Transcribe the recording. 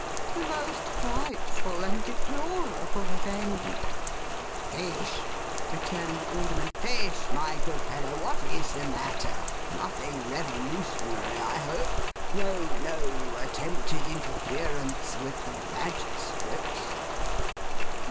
The most frightful and deplorable event!' 'Fish!' returned the Alderman. 'Fish! My good fellow, what is the matter? Nothing revolutionary, I hope! No—no attempted interference with the magistrates?